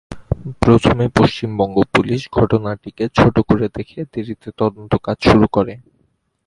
প্রথমে পশ্চিমবঙ্গ পুলিশ ঘটনাটিকে ছোট করে দেখে দেরিতে তদন্তকাজ শুরু করে।